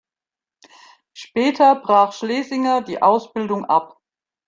Später brach Schlesinger die Ausbildung ab.